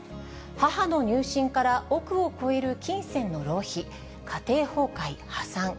母の入信から億を超える金銭の浪費、家庭崩壊、破産。